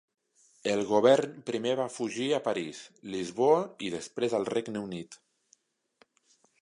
El govern primer va fugir a París, Lisboa i després al Regne Unit.